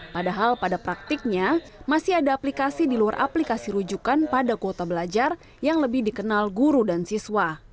padahal pada praktiknya masih ada aplikasi di luar aplikasi rujukan pada kuota belajar yang lebih dikenal guru dan siswa